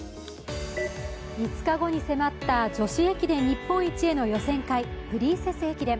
５日後に迫った女子駅伝日本一への予選会プリンセス駅伝。